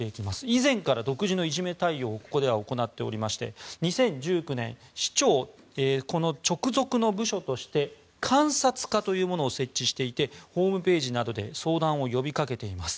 以前から独自のいじめ対応をここでは行っておりまして２０１９年市長直属の部署として監察課というものを設置していてホームページなどで相談を呼びかけています。